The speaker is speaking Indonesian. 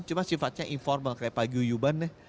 cuma sifatnya informal kayak pagi uyuban ya